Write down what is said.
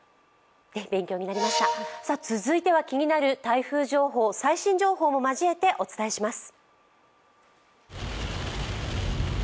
続いては気になる台風情報、最新情報も合わせてお伝えします。